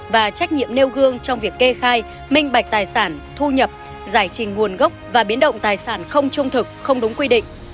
và trách nhiệm nêu gương trong việc kê khai minh bạch tài sản thu nhập giải trình nguồn gốc và biến động tài sản không trung thực không đúng quy định